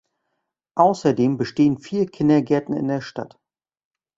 Außerdem bestehen vier Kindergärten in der Stadt.